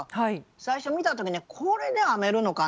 最初見た時にこれで編めるのかなと。